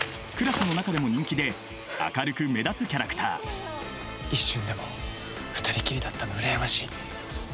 クラスの中でも人気で明るく目立つキャラクター一瞬でも２人きりだったの羨ましい。